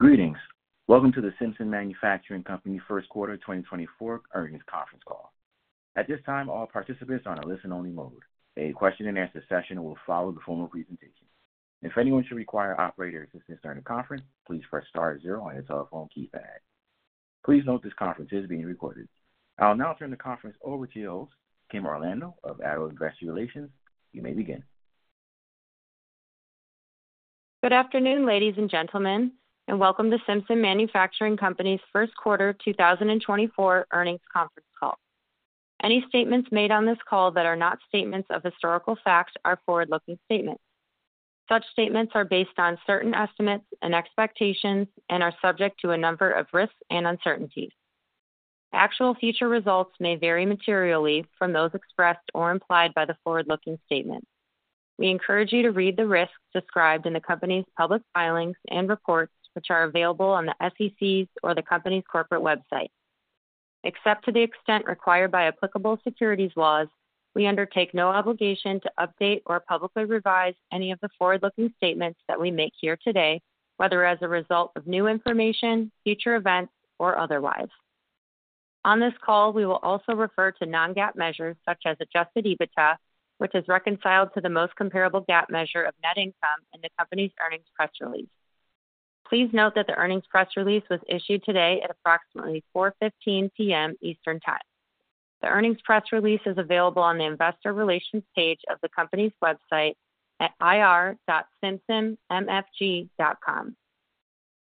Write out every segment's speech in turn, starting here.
Greetings. Welcome to the Simpson Manufacturing Company First Quarter 2024 Earnings Conference Call. At this time, all participants are on a listen-only mode. A question-and-answer session will follow the formal presentation. If anyone should require operator assistance during the conference, please press star or zero on your telephone keypad. Please note this conference is being recorded. I'll now turn the conference over to your host, Kim Orlando of ADDO Investor Relations. You may begin. Good afternoon, ladies and gentlemen, and Welcome to Simpson Manufacturing Company's First Quarter 2024 Earnings Conference Call. Any statements made on this call that are not statements of historical fact are forward-looking statements. Such statements are based on certain estimates and expectations and are subject to a number of risks and uncertainties. Actual future results may vary materially from those expressed or implied by the forward-looking statements. We encourage you to read the risks described in the company's public filings and reports, which are available on the SEC's or the company's corporate website. Except to the extent required by applicable securities laws, we undertake no obligation to update or publicly revise any of the forward-looking statements that we make here today, whether as a result of new information, future events, or otherwise. On this call, we will also refer to non-GAAP measures such as Adjusted EBITDA, which is reconciled to the most comparable GAAP measure of net income in the company's earnings press release. Please note that the earnings press release was issued today at approximately 4:15 P.M. Eastern Time. The earnings press release is available on the investor relations page of the company's website at ir.simpsonmfg.com.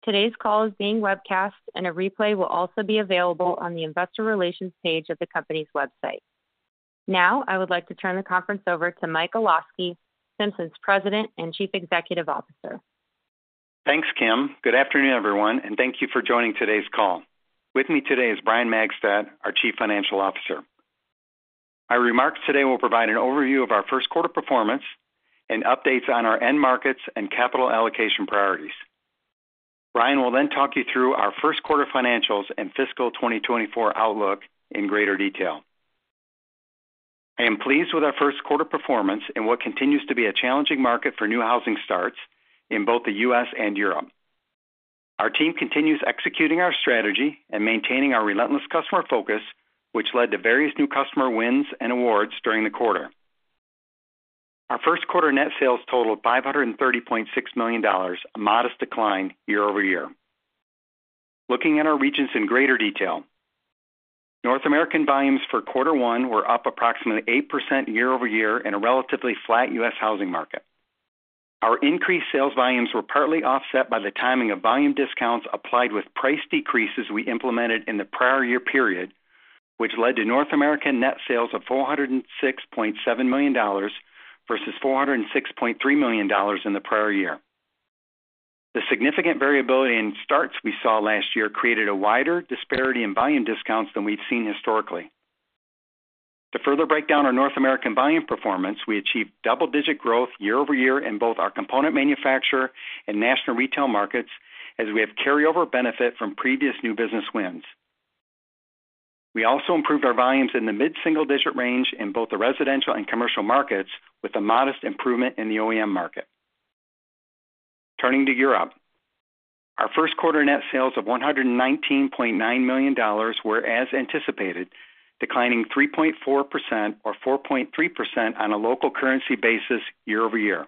Today's call is being webcast, and a replay will also be available on the investor relations page of the company's website. Now I would like to turn the conference over to Mike Olosky, Simpson's President and Chief Executive Officer. Thanks, Kim. Good afternoon, everyone, and thank you for joining today's call. With me today is Brian Magstadt, our Chief Financial Officer. Our remarks today will provide an overview of our first quarter performance and updates on our end markets and capital allocation priorities. Brian will then talk you through our first quarter financials and fiscal 2024 outlook in greater detail. I am pleased with our first quarter performance in what continues to be a challenging market for new housing starts in both the U.S. and Europe. Our team continues executing our strategy and maintaining our relentless customer focus, which led to various new customer wins and awards during the quarter. Our first quarter net sales totaled $530.6 million, a modest decline year-over-year. Looking at our regions in greater detail, North American volumes for quarter one were up approximately 8% year-over-year in a relatively flat U.S. housing market. Our increased sales volumes were partly offset by the timing of volume discounts applied with price decreases we implemented in the prior year period, which led to North American net sales of $406.7 million versus $406.3 million in the prior year. The significant variability in starts we saw last year created a wider disparity in volume discounts than we've seen historically. To further break down our North American volume performance, we achieved double-digit growth year-over-year in both our component manufacturer and national retail markets as we have carryover benefit from previous new business wins. We also improved our volumes in the mid-single-digit range in both the residential and commercial markets with a modest improvement in the OEM market. Turning to Europe, our first quarter net sales of $119.9 million were, as anticipated, declining 3.4% or 4.3% on a local currency basis year-over-year.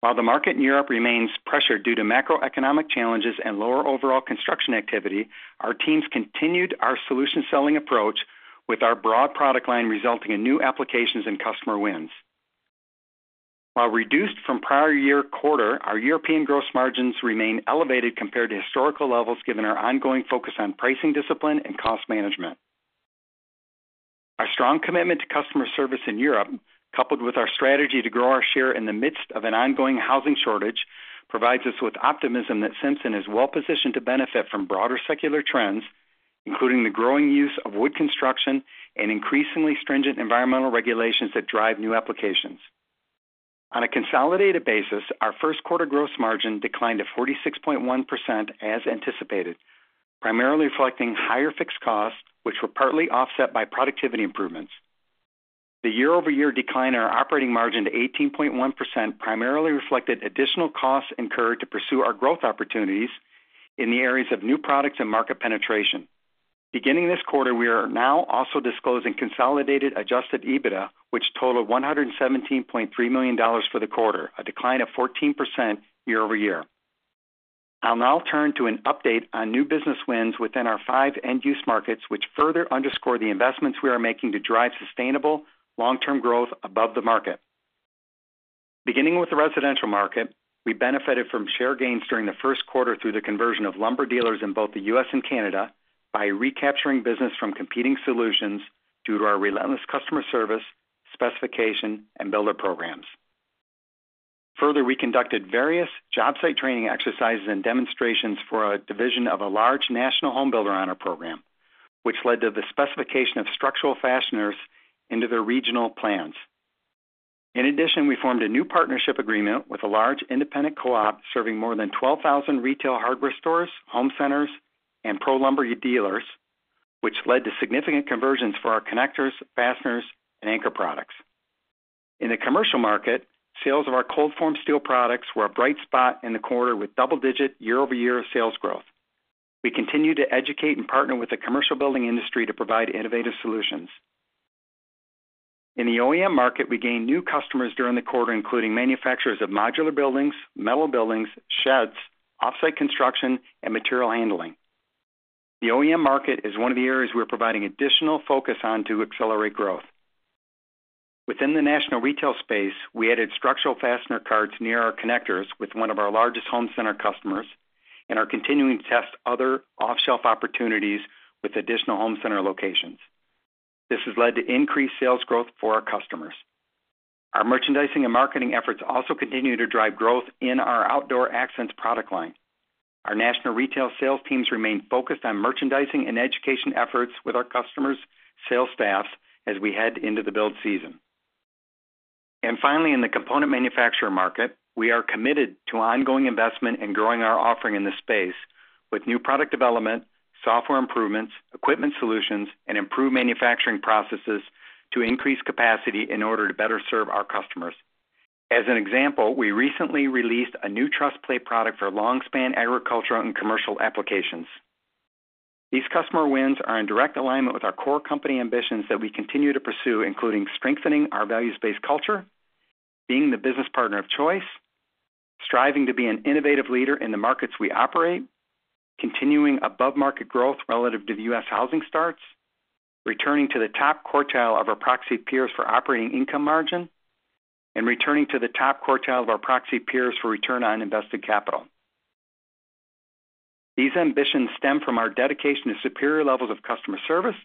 While the market in Europe remains pressured due to macroeconomic challenges and lower overall construction activity, our teams continued our solution-selling approach, with our broad product line resulting in new applications and customer wins. While reduced from prior year quarter, our European gross margins remain elevated compared to historical levels given our ongoing focus on pricing discipline and cost management. Our strong commitment to customer service in Europe, coupled with our strategy to grow our share in the midst of an ongoing housing shortage, provides us with optimism that Simpson is well-positioned to benefit from broader secular trends, including the growing use of wood construction and increasingly stringent environmental regulations that drive new applications. On a consolidated basis, our first quarter gross margin declined to 46.1% as anticipated, primarily reflecting higher fixed costs, which were partly offset by productivity improvements. The year-over-year decline in our operating margin to 18.1% primarily reflected additional costs incurred to pursue our growth opportunities in the areas of new products and market penetration. Beginning this quarter, we are now also disclosing consolidated adjusted EBITDA, which totaled $117.3 million for the quarter, a decline of 14% year-over-year. I'll now turn to an update on new business wins within our five end-use markets, which further underscore the investments we are making to drive sustainable, long-term growth above the market. Beginning with the residential market, we benefited from share gains during the first quarter through the conversion of lumber dealers in both the U.S. and Canada by recapturing business from competing solutions due to our relentless customer service, specification, and builder programs. Further, we conducted various job-site training exercises and demonstrations for a division of a large national home builder on our program, which led to the specification of structural fasteners into their regional plans. In addition, we formed a new partnership agreement with a large independent co-op serving more than 12,000 retail hardware stores, home centers, and pro lumber dealers, which led to significant conversions for our connectors, fasteners, and anchor products. In the commercial market, sales of our cold-formed steel products were a bright spot in the quarter with double-digit year-over-year sales growth. We continue to educate and partner with the commercial building industry to provide innovative solutions. In the OEM market, we gained new customers during the quarter, including manufacturers of modular buildings, metal buildings, sheds, off-site construction, and material handling. The OEM market is one of the areas we are providing additional focus on to accelerate growth. Within the national retail space, we added structural fastener carts near our connectors with one of our largest home center customers and are continuing to test other off-shelf opportunities with additional home center locations. This has led to increased sales growth for our customers. Our merchandising and marketing efforts also continue to drive growth in our Outdoor Accents product line. Our national retail sales teams remain focused on merchandising and education efforts with our customers' sales staffs as we head into the build season. Finally, in the component manufacturer market, we are committed to ongoing investment in growing our offering in this space with new product development, software improvements, equipment solutions, and improved manufacturing processes to increase capacity in order to better serve our customers. As an example, we recently released a new truss plate product for long-span agricultural and commercial applications. These customer wins are in direct alignment with our core company ambitions that we continue to pursue, including strengthening our values-based culture, being the business partner of choice, striving to be an innovative leader in the markets we operate, continuing above-market growth relative to the U.S. housing starts, returning to the top quartile of our proxy peers for operating income margin, and returning to the top quartile of our proxy peers for return on invested capital. These ambitions stem from our dedication to superior levels of customer service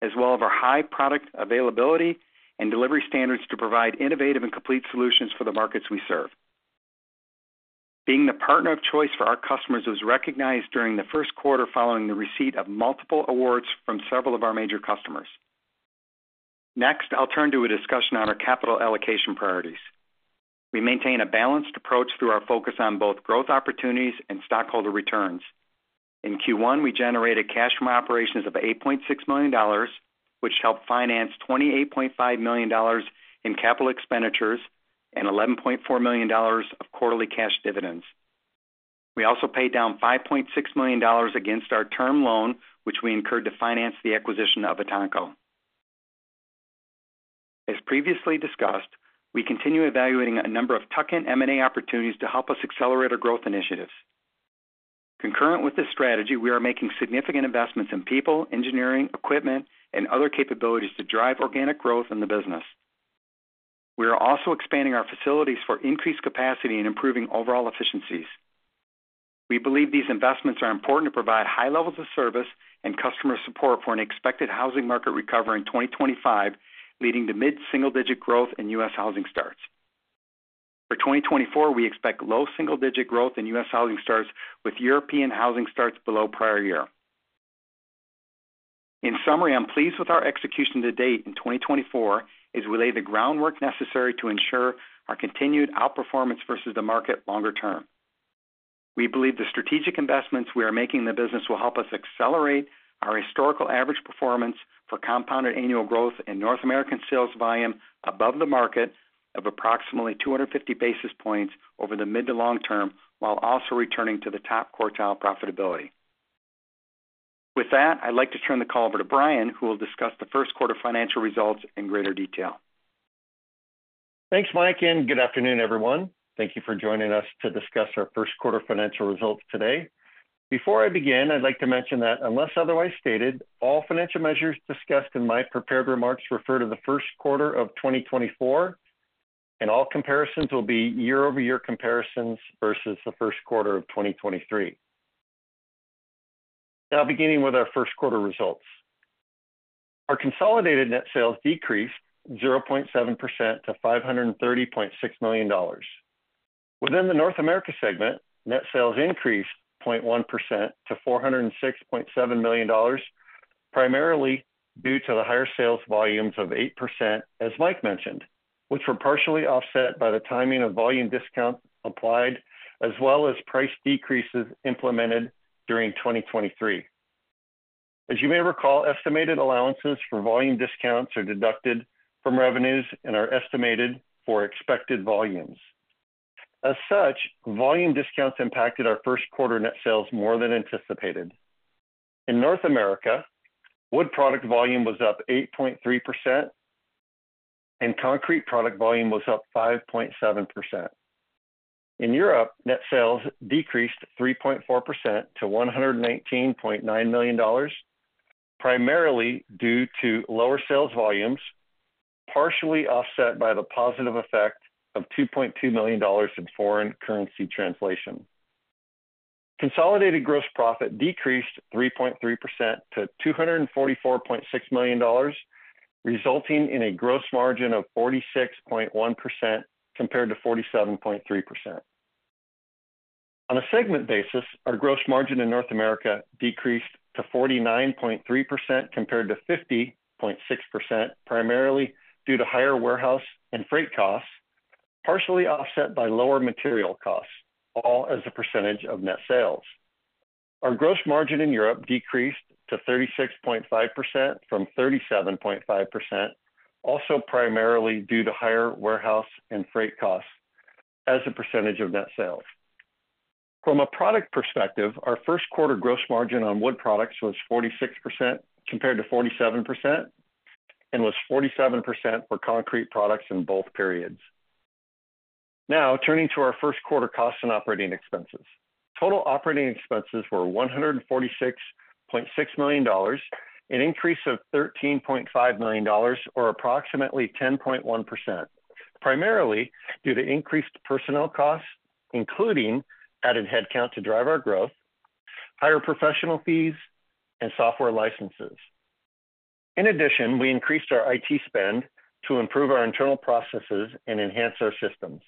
as well as our high product availability and delivery standards to provide innovative and complete solutions for the markets we serve. Being the partner of choice for our customers was recognized during the first quarter following the receipt of multiple awards from several of our major customers. Next, I'll turn to a discussion on our capital allocation priorities. We maintain a balanced approach through our focus on both growth opportunities and stockholder returns. In Q1, we generated cash from operations of $8.6 million, which helped finance $28.5 million in capital expenditures and $11.4 million of quarterly cash dividends. We also paid down $5.6 million against our term loan, which we incurred to finance the acquisition of Etanco. As previously discussed, we continue evaluating a number of tuck-in M&A opportunities to help us accelerate our growth initiatives. Concurrent with this strategy, we are making significant investments in people, engineering, equipment, and other capabilities to drive organic growth in the business. We are also expanding our facilities for increased capacity and improving overall efficiencies. We believe these investments are important to provide high levels of service and customer support for an expected housing market recovery in 2025, leading to mid-single-digit growth in U.S. housing starts. For 2024, we expect low single-digit growth in U.S. housing starts with European housing starts below prior year. In summary, I'm pleased with our execution to date in 2024 as we lay the groundwork necessary to ensure our continued outperformance versus the market longer term. We believe the strategic investments we are making in the business will help us accelerate our historical average performance for compounded annual growth and North American sales volume above the market of approximately 250 basis points over the mid to long term while also returning to the top quartile profitability. With that, I'd like to turn the call over to Brian, who will discuss the first quarter financial results in greater detail. Thanks, Mike, and good afternoon, everyone. Thank you for joining us to discuss our first quarter financial results today. Before I begin, I'd like to mention that unless otherwise stated, all financial measures discussed in my prepared remarks refer to the first quarter of 2024, and all comparisons will be year-over-year comparisons versus the first quarter of 2023. Now, beginning with our first quarter results. Our consolidated net sales decreased 0.7% to $530.6 million. Within the North America segment, net sales increased 0.1% to $406.7 million, primarily due to the higher sales volumes of 8%, as Mike mentioned, which were partially offset by the timing of volume discounts applied as well as price decreases implemented during 2023. As you may recall, estimated allowances for volume discounts are deducted from revenues and are estimated for expected volumes. As such, volume discounts impacted our first quarter net sales more than anticipated. In North America, wood product volume was up 8.3%, and concrete product volume was up 5.7%. In Europe, net sales decreased 3.4% to $119.9 million, primarily due to lower sales volumes, partially offset by the positive effect of $2.2 million in foreign currency translation. Consolidated gross profit decreased 3.3% to $244.6 million, resulting in a gross margin of 46.1% compared to 47.3%. On a segment basis, our gross margin in North America decreased to 49.3% compared to 50.6%, primarily due to higher warehouse and freight costs, partially offset by lower material costs, all as a percentage of net sales. Our gross margin in Europe decreased to 36.5% from 37.5%, also primarily due to higher warehouse and freight costs as a percentage of net sales. From a product perspective, our first quarter gross margin on wood products was 46% compared to 47% and was 47% for concrete products in both periods. Now, turning to our first quarter costs and operating expenses. Total operating expenses were $146.6 million, an increase of $13.5 million or approximately 10.1%, primarily due to increased personnel costs, including added headcount to drive our growth, higher professional fees, and software licenses. In addition, we increased our IT spend to improve our internal processes and enhance our systems.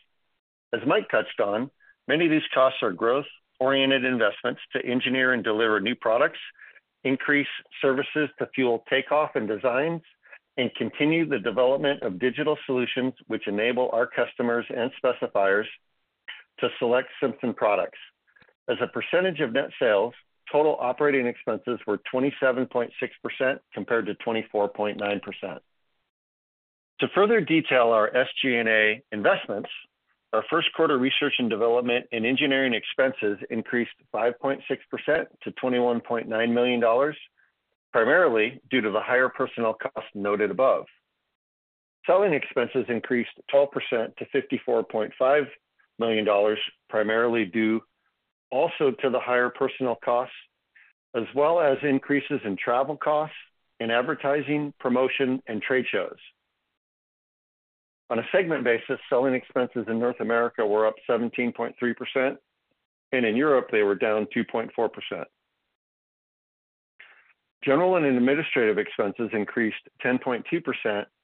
As Mike touched on, many of these costs are growth-oriented investments to engineer and deliver new products, increase services to fuel takeoff and designs, and continue the development of digital solutions which enable our customers and specifiers to select Simpson products. As a percentage of net sales, total operating expenses were 27.6% compared to 24.9%. To further detail our SG&A investments, our first quarter research and development and engineering expenses increased 5.6% to $21.9 million, primarily due to the higher personnel costs noted above. Selling expenses increased 12% to $54.5 million, primarily due also to the higher personnel costs, as well as increases in travel costs and advertising, promotion, and trade shows. On a segment basis, selling expenses in North America were up 17.3%, and in Europe, they were down 2.4%. General and administrative expenses increased 10.2%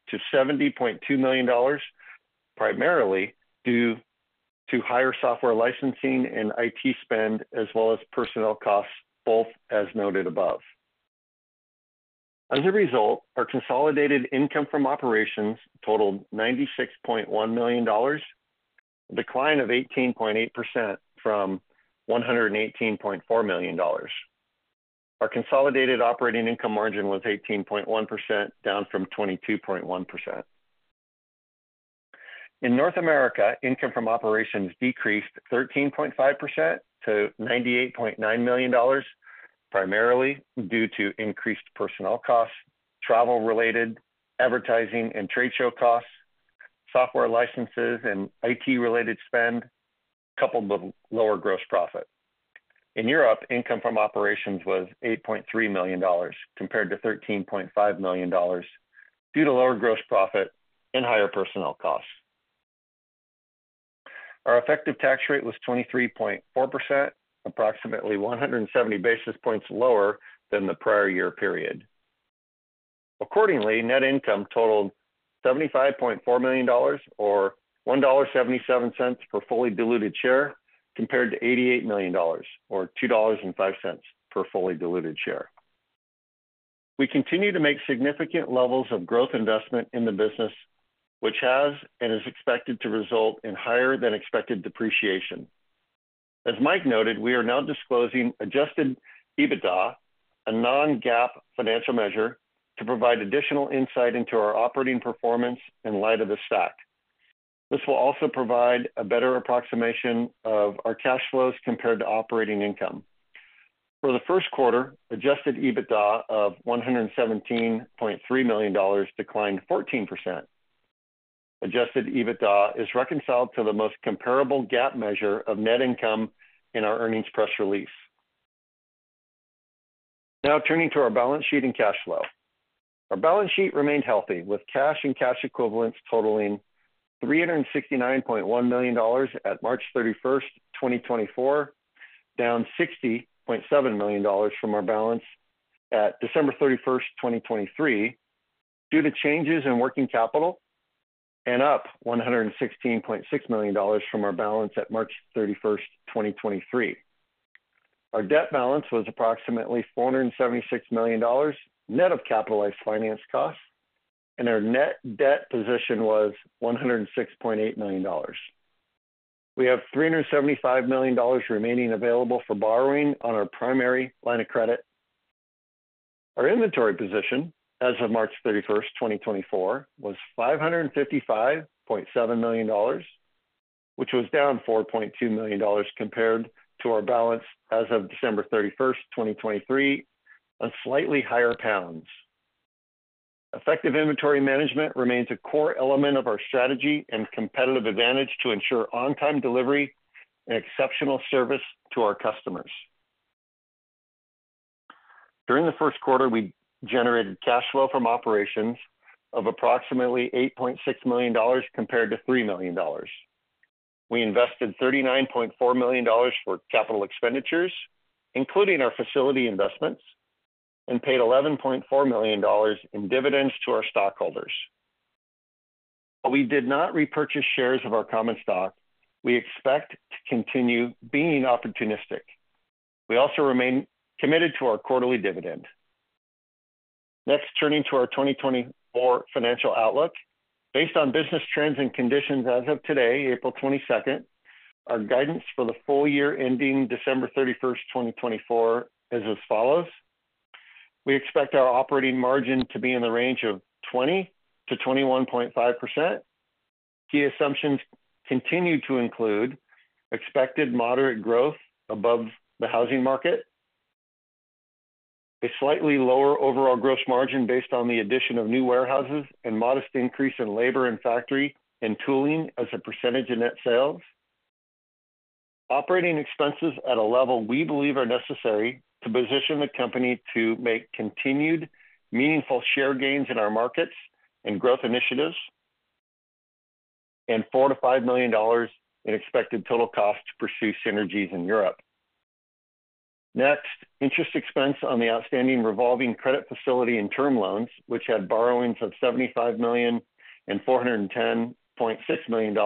to $70.2 million, primarily due to higher software licensing and IT spend as well as personnel costs, both as noted above. As a result, our consolidated income from operations totaled $96.1 million, a decline of 18.8% from $118.4 million. Our consolidated operating income margin was 18.1% down from 22.1%. In North America, income from operations decreased 13.5% to $98.9 million, primarily due to increased personnel costs, travel-related advertising and trade show costs, software licenses, and IT-related spend coupled with lower gross profit. In Europe, income from operations was $8.3 million compared to $13.5 million due to lower gross profit and higher personnel costs. Our effective tax rate was 23.4%, approximately 170 basis points lower than the prior year period. Accordingly, net income totaled $75.4 million or $1.77 per fully diluted share compared to $88 million or $2.05 per fully diluted share. We continue to make significant levels of growth investment in the business, which has and is expected to result in higher-than-expected depreciation. As Mike noted, we are now disclosing Adjusted EBITDA, a non-GAAP financial measure, to provide additional insight into our operating performance in light of the stock. This will also provide a better approximation of our cash flows compared to operating income. For the first quarter, Adjusted EBITDA of $117.3 million declined 14%. Adjusted EBITDA is reconciled to the most comparable GAAP measure of net income in our earnings press release. Now, turning to our balance sheet and cash flow. Our balance sheet remained healthy, with cash and cash equivalents totaling $369.1 million at March 31st, 2024, down $60.7 million from our balance at December 31st, 2023, due to changes in working capital, and up $116.6 million from our balance at March 31st, 2023. Our debt balance was approximately $476 million net of capitalized finance costs, and our net debt position was $106.8 million. We have $375 million remaining available for borrowing on our primary line of credit. Our inventory position as of March 31st, 2024, was $555.7 million, which was down $4.2 million compared to our balance as of December 31st, 2023, a slightly higher pounds. Effective inventory management remains a core element of our strategy and competitive advantage to ensure on-time delivery and exceptional service to our customers. During the first quarter, we generated cash flow from operations of approximately $8.6 million compared to $3 million. We invested $39.4 million for capital expenditures, including our facility investments, and paid $11.4 million in dividends to our stockholders. While we did not repurchase shares of our common stock, we expect to continue being opportunistic. We also remain committed to our quarterly dividend. Next, turning to our 2024 financial outlook. Based on business trends and conditions as of today, April 22nd, our guidance for the full year ending December 31st, 2024, is as follows. We expect our operating margin to be in the range of 20%-21.5%. Key assumptions continue to include expected moderate growth above the housing market, a slightly lower overall gross margin based on the addition of new warehouses, and modest increase in labor and factory and tooling as a percentage of net sales. Operating expenses at a level we believe are necessary to position the company to make continued meaningful share gains in our markets and growth initiatives, and $4 million-$5 million in expected total costs to pursue synergies in Europe. Next, interest expense on the outstanding revolving credit facility and term loans, which had borrowings of $75 million and $410.6 million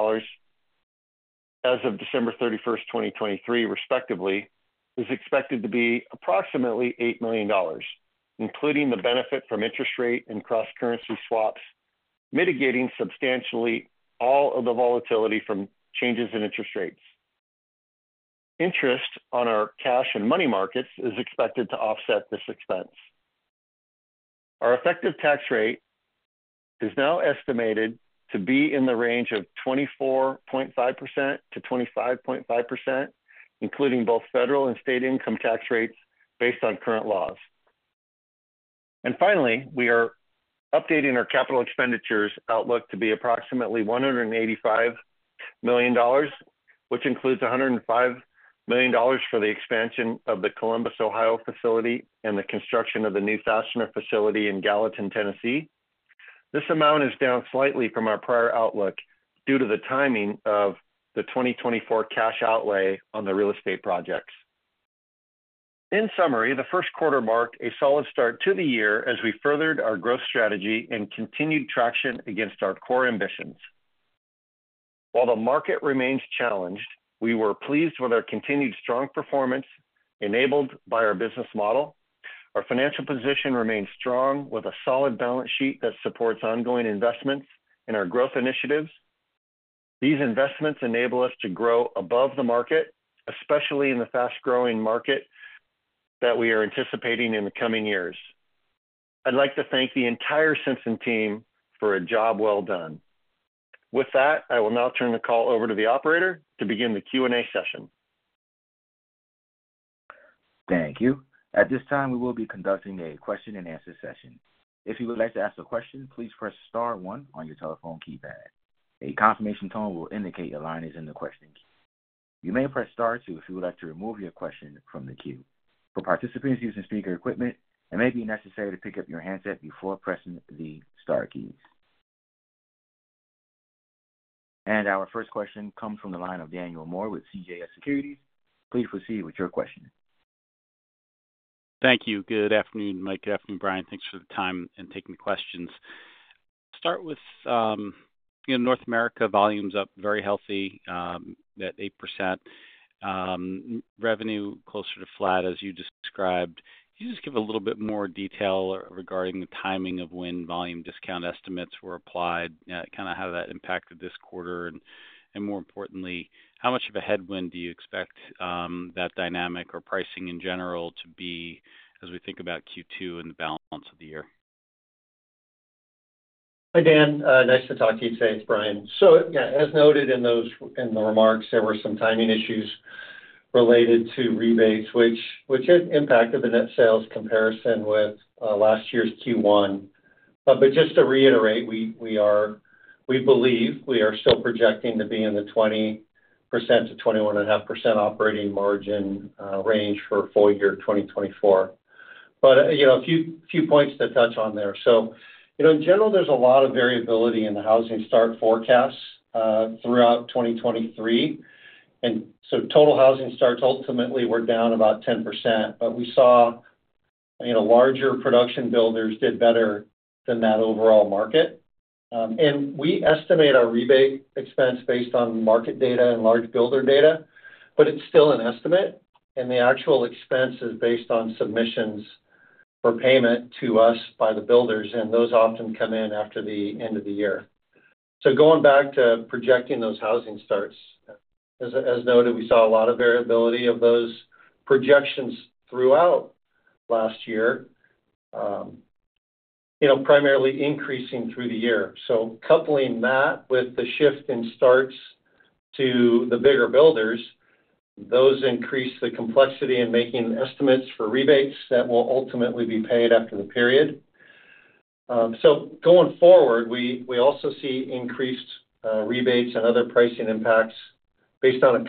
as of December 31st, 2023, respectively, is expected to be approximately $8 million, including the benefit from interest rate and cross-currency swaps, mitigating substantially all of the volatility from changes in interest rates. Interest on our cash and money markets is expected to offset this expense. Our effective tax rate is now estimated to be in the range of 24.5%-25.5%, including both federal and state income tax rates based on current laws. Finally, we are updating our capital expenditures outlook to be approximately $185 million, which includes $105 million for the expansion of the Columbus, Ohio facility and the construction of the new fastener facility in Gallatin, Tennessee. This amount is down slightly from our prior outlook due to the timing of the 2024 cash outlay on the real estate projects. In summary, the first quarter marked a solid start to the year as we furthered our growth strategy and continued traction against our core ambitions. While the market remains challenged, we were pleased with our continued strong performance enabled by our business model. Our financial position remains strong with a solid balance sheet that supports ongoing investments in our growth initiatives. These investments enable us to grow above the market, especially in the fast-growing market that we are anticipating in the coming years. I'd like to thank the entire Simpson team for a job well done. With that, I will now turn the call over to the operator to begin the Q&A session. Thank you. At this time, we will be conducting a question-and-answer session. If you would like to ask a question, please press star one on your telephone keypad. A confirmation tone will indicate your line is in the question queue. You may press star two if you would like to remove your question from the queue. For participants using speaker equipment, it may be necessary to pick up your handset before pressing the star keys. Our first question comes from the line of Daniel Moore with CJS Securities. Please proceed with your question. Thank you. Good afternoon, Mike. Good afternoon, Brian. Thanks for the time and taking the questions. Start with North America volumes up very healthy, that 8%. Revenue closer to flat, as you described. Can you just give a little bit more detail regarding the timing of when volume discount estimates were applied, kind of how that impacted this quarter, and more importantly, how much of a headwind do you expect that dynamic or pricing in general to be as we think about Q2 and the balance of the year? Hi, Dan. Nice to talk to you today, it's Brian. So yeah, as noted in the remarks, there were some timing issues related to rebates, which had impacted the net sales comparison with last year's Q1. But just to reiterate, we believe we are still projecting to be in the 20%-21.5% operating margin range for full year 2024. But a few points to touch on there. So in general, there's a lot of variability in the housing starts forecasts throughout 2023. And so total housing starts, ultimately, were down about 10%, but we saw larger production builders did better than that overall market. And we estimate our rebate expense based on market data and large builder data, but it's still an estimate. And the actual expense is based on submissions for payment to us by the builders, and those often come in after the end of the year. Going back to projecting those housing starts, as noted, we saw a lot of variability of those projections throughout last year, primarily increasing through the year. Coupling that with the shift in starts to the bigger builders, those increase the complexity in making estimates for rebates that will ultimately be paid after the period. Going forward, we also see increased rebates and other pricing impacts based on a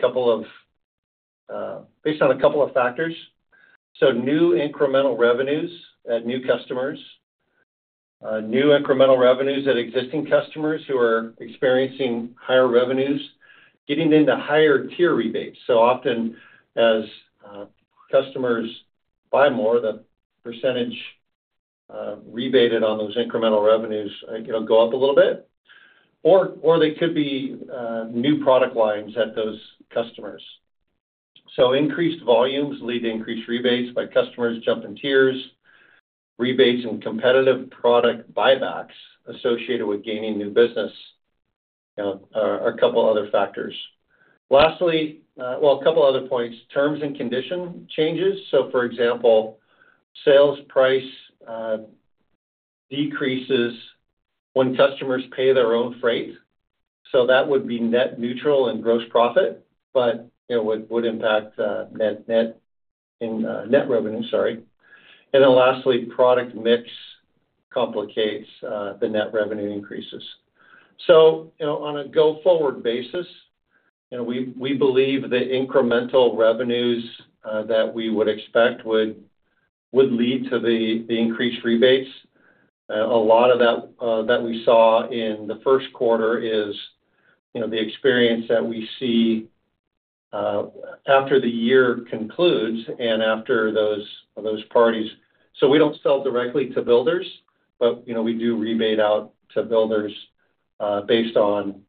couple of factors. New incremental revenues at new customers, new incremental revenues at existing customers who are experiencing higher revenues, getting into higher-tier rebates. Often, as customers buy more, the percentage rebated on those incremental revenues go up a little bit. Or they could be new product lines at those customers. Increased volumes lead to increased rebates by customers jumping tiers. Rebates and competitive product buybacks associated with gaining new business are a couple of other factors. Lastly, well, a couple of other points. Terms and conditions changes. So for example, sales price decreases when customers pay their own freight. So that would be net neutral in gross profit, but it would impact net revenue, sorry. And then lastly, product mix complicates the net revenue increases. So on a go-forward basis, we believe the incremental revenues that we would expect would lead to the increased rebates. A lot of that we saw in the first quarter is the experience that we see after the year concludes and after those parties. So we don't sell directly to builders, but we do rebate out to builders based on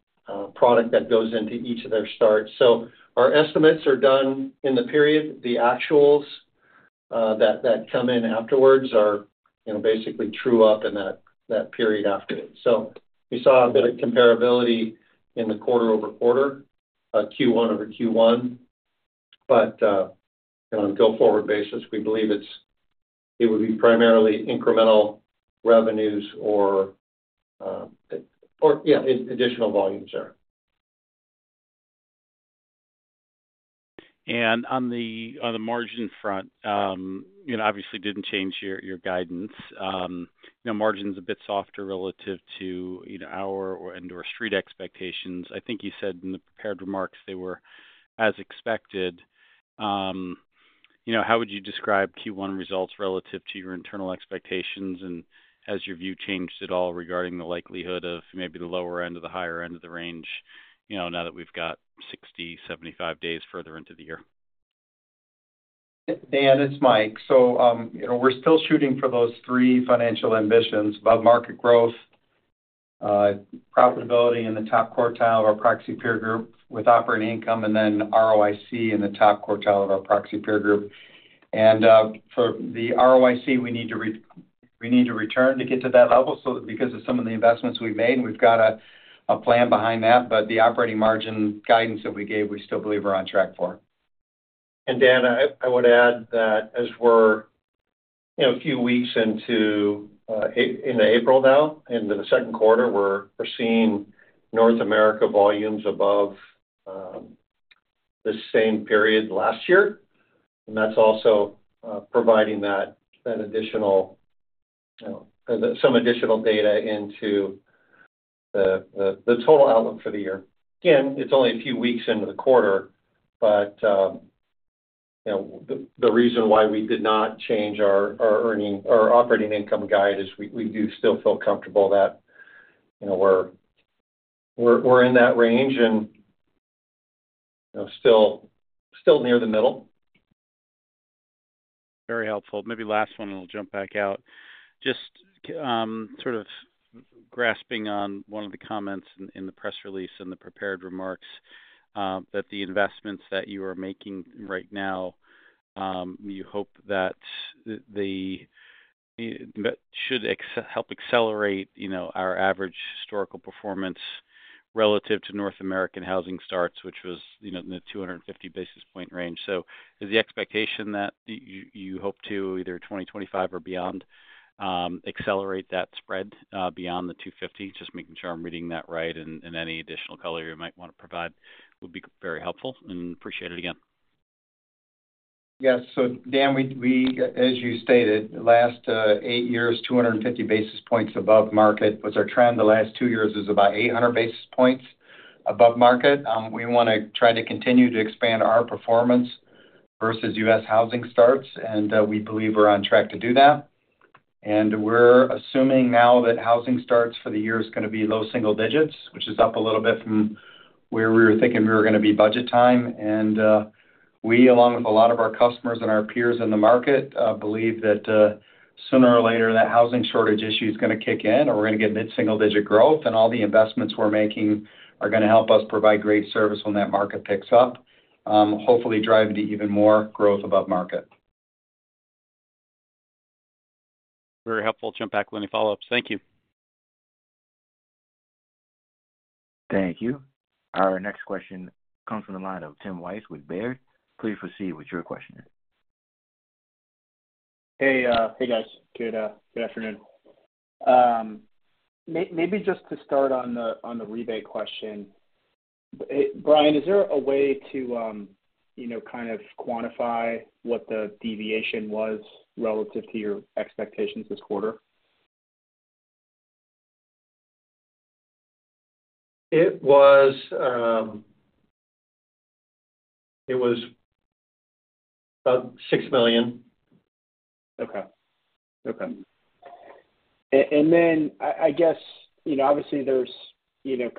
product that goes into each of their starts. So our estimates are done in the period. The actuals that come in afterwards are basically true-up in that period after it. So we saw a bit of comparability in the quarter-over-quarter, Q1 over Q1. But on a go-forward basis, we believe it would be primarily incremental revenues or, yeah, additional volumes there. On the margin front, obviously, didn't change your guidance. Margin's a bit softer relative to our and/or street expectations. I think you said in the prepared remarks they were as expected. How would you describe Q1 results relative to your internal expectations and has your view changed at all regarding the likelihood of maybe the lower end or the higher end of the range now that we've got 60, 75 days further into the year? Dan, it's Mike. So we're still shooting for those three financial ambitions: above-market growth, profitability in the top quartile of our proxy peer group with operating income, and then ROIC in the top quartile of our proxy peer group. And for the ROIC, we need to return to get to that level because of some of the investments we've made, and we've got a plan behind that. But the operating margin guidance that we gave, we still believe we're on track for. And Dan, I would add that as we're a few weeks into April now, into the second quarter, we're seeing North America volumes above the same period last year. And that's also providing some additional data into the total outlook for the year. Again, it's only a few weeks into the quarter, but the reason why we did not change our operating income guide is we do still feel comfortable that we're in that range and still near the middle. Very helpful. Maybe last one, and we'll jump back out. Just sort of grasping on one of the comments in the press release and the prepared remarks that the investments that you are making right now, you hope that they should help accelerate our average historical performance relative to North American housing starts, which was in the 250 basis point range. So is the expectation that you hope to, either 2025 or beyond, accelerate that spread beyond the 250 basis point? Just making sure I'm reading that right. And any additional color you might want to provide would be very helpful. And appreciate it again. Yes. So Dan, as you stated, last 8 years, 250 basis points above market was our trend. The last two years is about 800 basis points above market. We want to try to continue to expand our performance versus U.S. housing starts, and we believe we're on track to do that. And we're assuming now that housing starts for the year is going to be low single digits, which is up a little bit from where we were thinking we were going to be budget time. And we, along with a lot of our customers and our peers in the market, believe that sooner or later, that housing shortage issue is going to kick in, or we're going to get mid-single digit growth. And all the investments we're making are going to help us provide great service when that market picks up, hopefully driving to even more growth above market. Very helpful. Jump back with any follow-ups. Thank you. Thank you. Our next question comes from the line of Tim Wojs with Baird. Please proceed with your question. Hey, guys. Good afternoon. Maybe just to start on the rebate question, Brian, is there a way to kind of quantify what the deviation was relative to your expectations this quarter? It was about $6 million. Okay. Okay. And then I guess, obviously, there's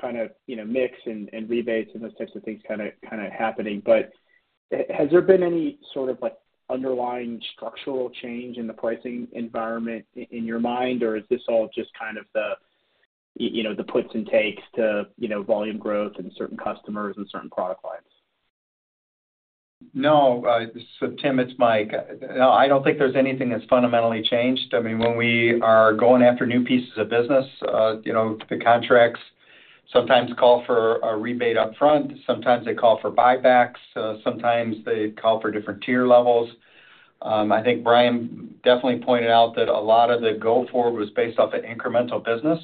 kind of mix and rebates and those types of things kind of happening. But has there been any sort of underlying structural change in the pricing environment in your mind, or is this all just kind of the puts and takes to volume growth and certain customers and certain product lines? No. So Tim, it's Mike. No, I don't think there's anything that's fundamentally changed. I mean, when we are going after new pieces of business, the contracts sometimes call for a rebate upfront. Sometimes they call for buybacks. Sometimes they call for different tier levels. I think Brian definitely pointed out that a lot of the go-forward was based off of incremental business.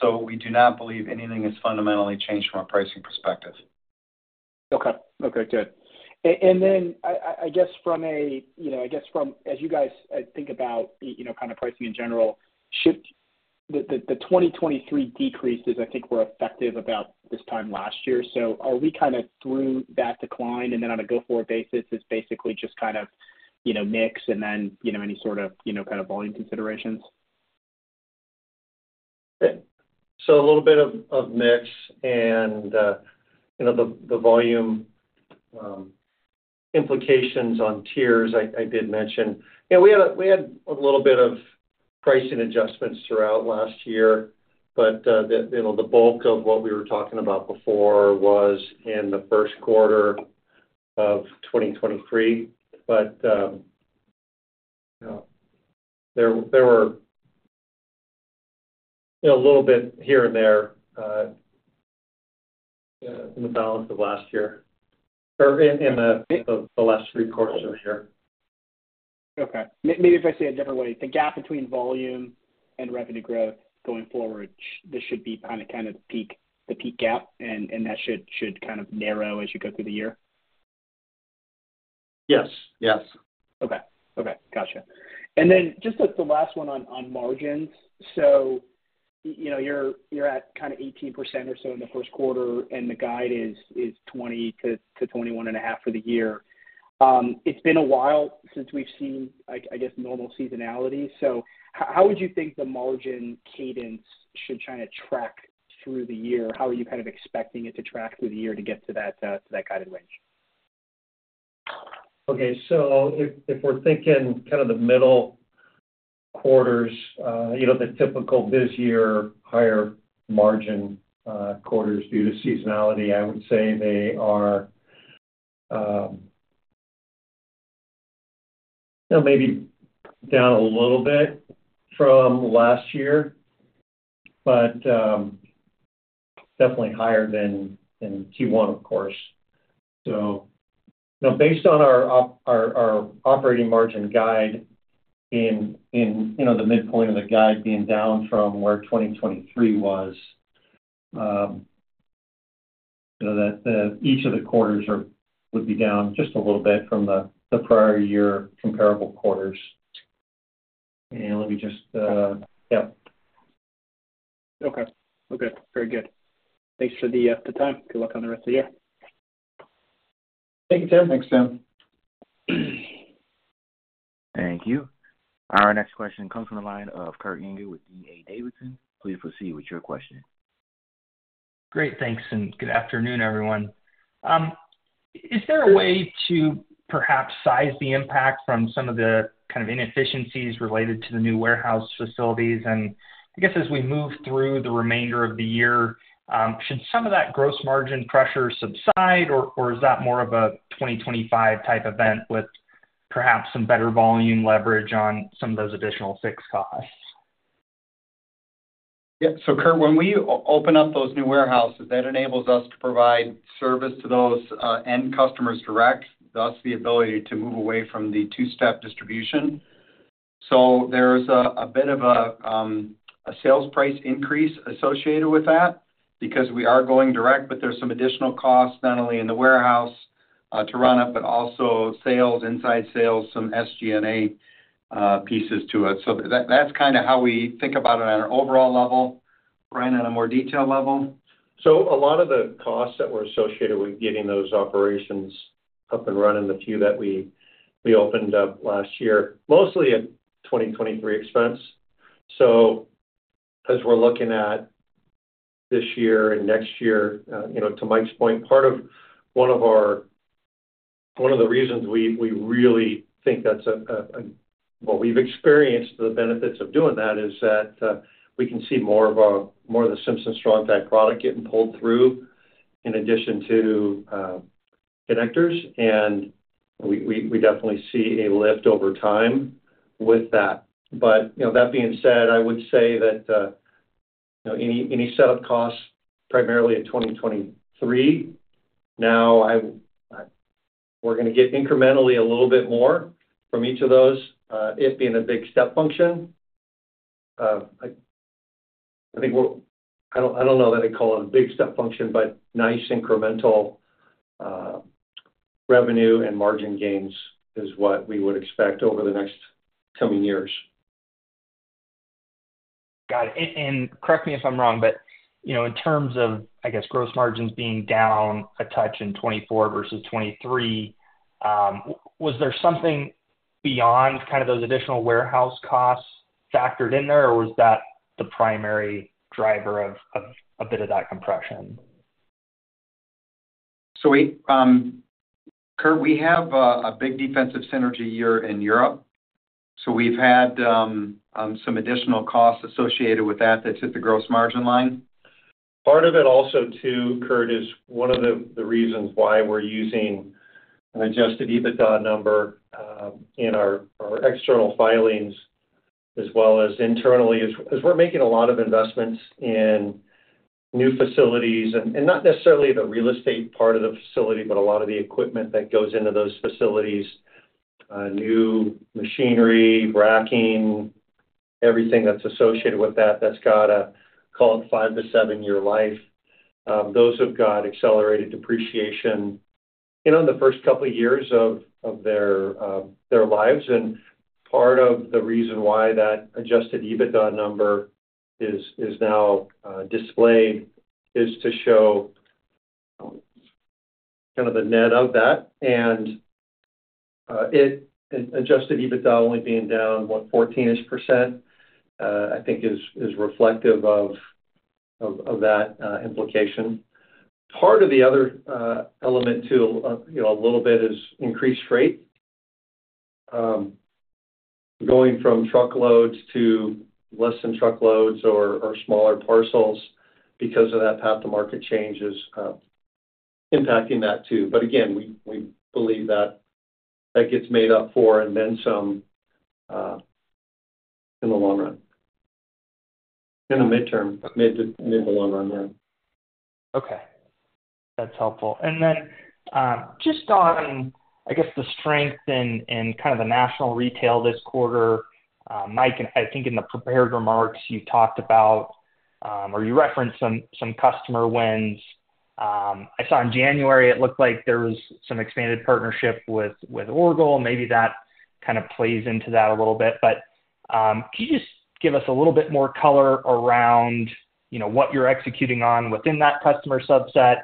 So we do not believe anything has fundamentally changed from a pricing perspective. Okay. Okay. Good. And then I guess from a I guess from as you guys think about kind of pricing in general, the 2023 decreases, I think, were effective about this time last year. So are we kind of through that decline, and then on a go-forward basis, it's basically just kind of mix and then any sort of kind of volume considerations? So a little bit of mix and the volume implications on tiers, I did mention. We had a little bit of pricing adjustments throughout last year, but the bulk of what we were talking about before was in the first quarter of 2023. But there were a little bit here and there in the balance of last year or in the last three quarters of the year. Okay. Maybe if I say it a different way, the gap between volume and revenue growth going forward, this should be kind of the peak gap, and that should kind of narrow as you go through the year? Yes. Yes. Okay. Okay. Gotcha. And then just the last one on margins. So you're at kind of 18% or so in the first quarter, and the guide is 20%-21.5% for the year. It's been a while since we've seen, I guess, normal seasonality. So how would you think the margin cadence should kind of track through the year? How are you kind of expecting it to track through the year to get to that guided range? Okay. So if we're thinking kind of the middle quarters, the typical busier higher margin quarters due to seasonality, I would say they are maybe down a little bit from last year, but definitely higher than Q1, of course. So based on our operating margin guide in the midpoint of the guide being down from where 2023 was, each of the quarters would be down just a little bit from the prior year comparable quarters. And let me just yep. Okay. Okay. Very good. Thanks for the time. Good luck on the rest of the year. Thank you, Tim. Thanks, Tim. Thank you. Our next question comes from the line of Kurt Yinger with D.A. Davidson. Please proceed with your question. Great. Thanks. And good afternoon, everyone. Is there a way to perhaps size the impact from some of the kind of inefficiencies related to the new warehouse facilities? And I guess as we move through the remainder of the year, should some of that gross margin pressure subside, or is that more of a 2025 type event with perhaps some better volume leverage on some of those additional fixed costs? Yeah. So Kurt, when we open up those new warehouses, that enables us to provide service to those end customers direct, thus the ability to move away from the two-step distribution. So there's a bit of a sales price increase associated with that because we are going direct, but there's some additional costs not only in the warehouse to run up, but also sales, inside sales, some SG&A pieces to it. So that's kind of how we think about it on an overall level. Brian, on a more detailed level? So a lot of the costs that were associated with getting those operations up and running, the few that we opened up last year, mostly at 2023 expense. So as we're looking at this year and next year, to Mike's point, part of one of the reasons we really think that's a well, we've experienced the benefits of doing that is that we can see more of the Simpson Strong-Tie product getting pulled through in addition to connectors. And we definitely see a lift over time with that. But that being said, I would say that any setup costs, primarily in 2023, now we're going to get incrementally a little bit more from each of those, it being a big step function. I think I don't know that I'd call it a big step function, but nice incremental revenue and margin gains is what we would expect over the next coming years. Got it. And correct me if I'm wrong, but in terms of, I guess, gross margins being down a touch in 2024 versus 2023, was there something beyond kind of those additional warehouse costs factored in there, or was that the primary driver of a bit of that compression? Kurt, we have a big defensive synergy year in Europe. We've had some additional costs associated with that that's hit the gross margin line. Part of it also, too, Kurt, is one of the reasons why we're using an Adjusted EBITDA number in our external filings as well as internally, is we're making a lot of investments in new facilities, and not necessarily the real estate part of the facility, but a lot of the equipment that goes into those facilities, new machinery, racking, everything that's associated with that that's got a, call it, 5-7-year life. Those have got accelerated depreciation in the first couple of years of their lives. And part of the reason why that Adjusted EBITDA number is now displayed is to show kind of the net of that. And Adjusted EBITDA only being down, what, 14-ish%, I think, is reflective of that implication. Part of the other element, too, a little bit, is increased rate. Going from truckloads to less than truckloads or smaller parcels because of that path to market change is impacting that too. But again, we believe that gets made up for and then some in the long run in the mid-term, mid to long run, yeah. Okay. That's helpful. And then just on, I guess, the strength in kind of the national retail this quarter, Mike, I think in the prepared remarks, you talked about or you referenced some customer wins. I saw in January, it looked like there was some expanded partnership with Orgill. Maybe that kind of plays into that a little bit. But can you just give us a little bit more color around what you're executing on within that customer subset?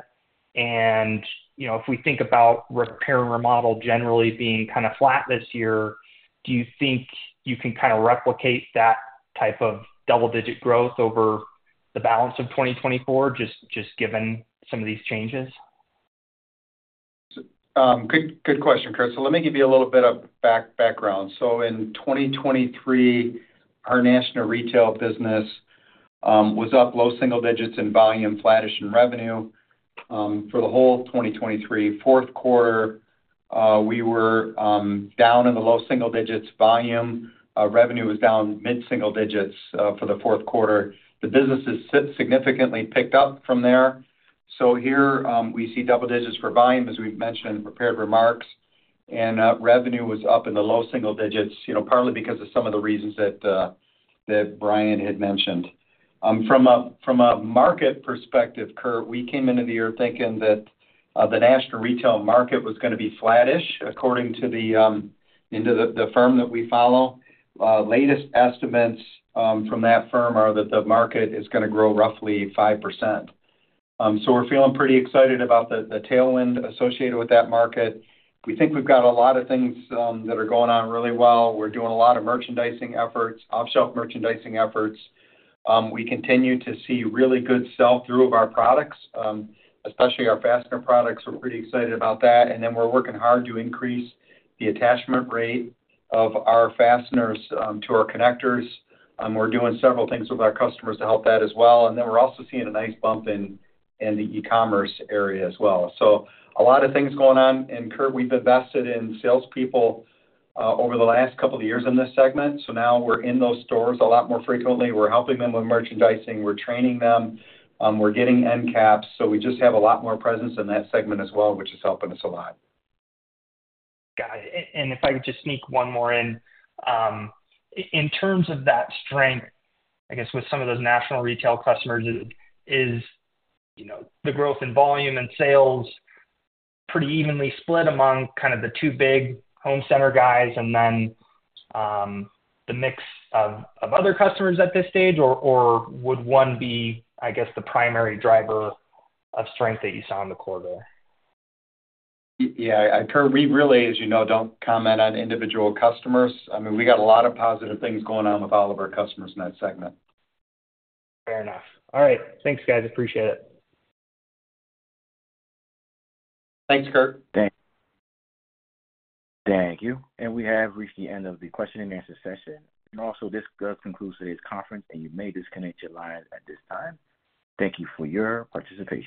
And if we think about repair and remodel generally being kind of flat this year, do you think you can kind of replicate that type of double-digit growth over the balance of 2024, just given some of these changes? Good question, Kurt. So let me give you a little bit of background. So in 2023, our national retail business was up low single digits in volume, flattish in revenue. For the whole 2023 fourth quarter, we were down in the low single digits. Volume revenue was down mid-single digits for the fourth quarter. The business has significantly picked up from there. So here, we see double digits for volume, as we've mentioned in the prepared remarks. And revenue was up in the low single digits, partly because of some of the reasons that Brian had mentioned. From a market perspective, Kurt, we came into the year thinking that the national retail market was going to be flattish, according to the firm that we follow. Latest estimates from that firm are that the market is going to grow roughly 5%. So we're feeling pretty excited about the tailwind associated with that market. We think we've got a lot of things that are going on really well. We're doing a lot of merchandising efforts, off-shelf merchandising efforts. We continue to see really good sell-through of our products, especially our fastener products. We're pretty excited about that. And then we're working hard to increase the attachment rate of our fasteners to our connectors. We're doing several things with our customers to help that as well. And then we're also seeing a nice bump in the e-commerce area as well. So a lot of things going on. And Kurt, we've invested in salespeople over the last couple of years in this segment. So now we're in those stores a lot more frequently. We're helping them with merchandising. We're training them. We're getting end caps. So we just have a lot more presence in that segment as well, which is helping us a lot. Got it. And if I could just sneak one more in, in terms of that strength, I guess, with some of those national retail customers, is the growth in volume and sales pretty evenly split among kind of the two big home center guys and then the mix of other customers at this stage? Or would one be, I guess, the primary driver of strength that you saw in the quarter? Yeah. Kurt, we really, as you know, don't comment on individual customers. I mean, we got a lot of positive things going on with all of our customers in that segment. Fair enough. All right. Thanks, guys. Appreciate it. Thanks, Kurt. Thank you. We have reached the end of the question-and-answer session. Also, this does conclude today's conference, and you may disconnect your line at this time. Thank you for your participation.